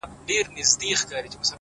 بیا هغه لار ده; خو ولاړ راته صنم نه دی;